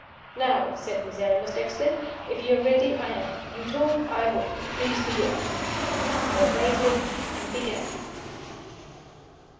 "Now," said Miserrimus Dexter, "if you are ready, I am. You talk I work. Please begin." I obeyed him, and began.